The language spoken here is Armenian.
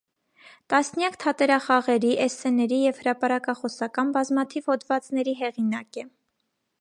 Տասնյակ թատերախաղերի, էսսեների եւ հրապարակախոսական բազմաթիվ հոդվածների հեղինակ է։